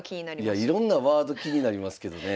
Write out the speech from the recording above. いやいろんなワード気になりますけどねえ。